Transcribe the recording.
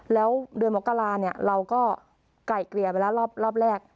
แล้วเดือนมกราเนี่ยเราก็ไกลเกลี่ยไปแล้วรอบแรก